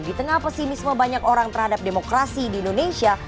di tengah pesimisme banyak orang terhadap demokrasi di indonesia